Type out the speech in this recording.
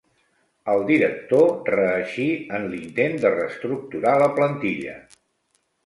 El director reeixí en l'intent de reestructurar la plantilla.